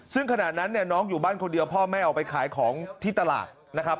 ซึ่งขณะนั้นเนี่ยน้องอยู่บ้านคนเดียวพ่อแม่ออกไปขายของที่ตลาดนะครับ